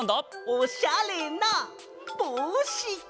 おしゃれなぼうし。